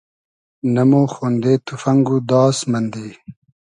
نۂ مۉ خۉندې توفئنگ و داس مئندی